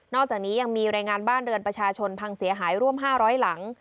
อกจากนี้ยังมีรายงานบ้านเรือนประชาชนพังเสียหายร่วม๕๐๐หลัง